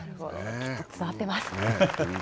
きっと伝わってます。